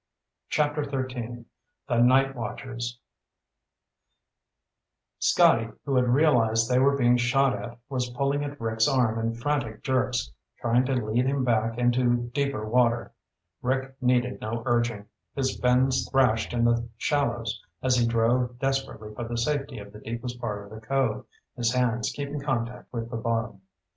CHAPTER XIII The Night Watchers Scotty, who had realized they were being shot at, was pulling at Rick's arm in frantic jerks, trying to lead him back into deeper water. Rick needed no urging. His fins thrashed in the shallows as he drove desperately for the safety of the deepest part of the cove, his hands keeping contact with the bottom.